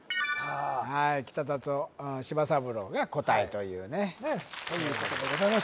はい北里柴三郎が答えというねということでございます